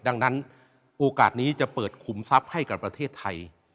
ดังนั้นโอกาสนี้จะเปิดขุมทรัพย์ให้กับประเทศไทย